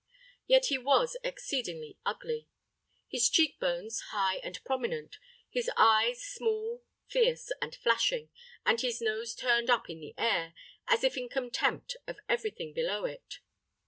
Yet he was exceedingly ugly; his cheek bones high and prominent; his eyes small, fierce, and flashing, and his nose turned up in the air, as if in contempt of every thing below it.